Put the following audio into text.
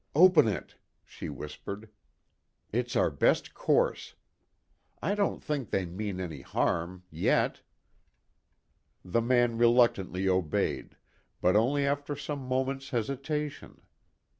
"Open it," she whispered. "It's our best course. I don't think they mean any harm yet." The man reluctantly obeyed, but only after some moments' hesitation.